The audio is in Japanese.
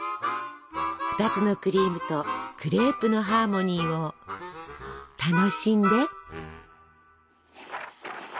２つのクリームとクレープのハーモニーを楽しんで。